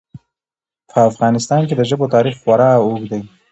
په افغانستان کې د ژبو تاریخ خورا اوږد دی.